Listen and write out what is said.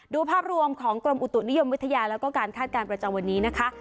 ดูภาพรวมของกรมอุตุนิยมวิทยาแล้วก็การคาดการณ์ประจำวันนี้นะคะ